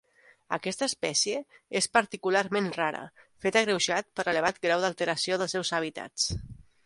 Aquesta espècie és particularment rara, fet agreujat per l'elevat grau d'alteració dels seus hàbitats.